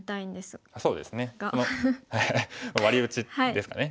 ワリ打ちですかね。